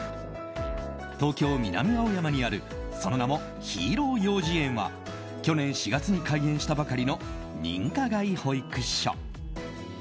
東京・南青山にあるその名もヒーロー幼児園は去年４月に開園したばかりの認可外保育所。